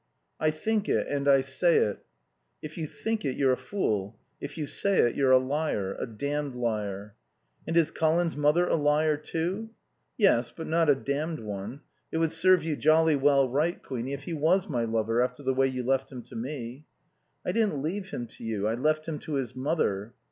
"I think it, and I say it." "If you think it you're a fool. If you say it you're a liar. A damned liar." "And is Colin's mother a liar, too?" "Yes, but not a damned one. It would serve you jolly well right, Queenie, if he was my lover, after the way you left him to me." "I didn't leave him to you. I left him to his mother."